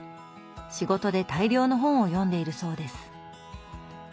仕事で大量の本を読んでいるそうです。